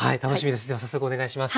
では早速お願いします。